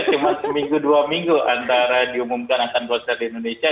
cuma seminggu dua minggu antara diumumkan akan konser di indonesia